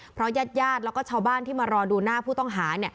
เพราะญาติญาติแล้วก็ชาวบ้านที่มารอดูหน้าผู้ต้องหา